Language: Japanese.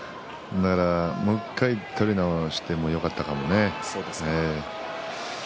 もう１回、取り直してもよかったかもしれないね。